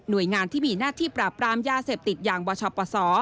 โดยงานที่มีหน้าที่ปราบปรามยาเสพติดอย่างบชปศ